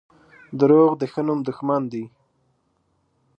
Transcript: • دروغ د ښه نوم دښمن دي.